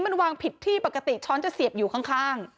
มันวางผิดที่ปกติช้อนจะเสียบอยู่ข้าง